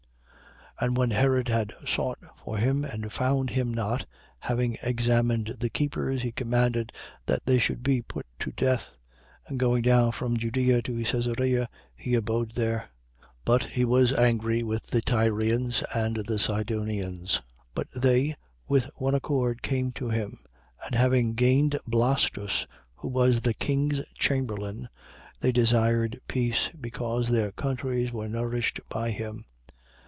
12:19. And when Herod had sought for him and found him not, having examined the keepers, he commanded they should be put to death. And going down from Judea to Caesarea, he abode there. 12:20. And he was angry with the Tyrians and the Sidonians. But they with one accord came to him: and, having gained Blastus who was the king's chamberlain, they desired peace, because their countries were nourished by him.